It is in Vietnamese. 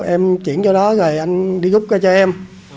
em chuyển vô đó rồi anh đi gúc ra cho em